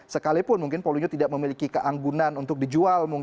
sekalipun mungkin poluyu tidak memiliki keanggunan untuk dijual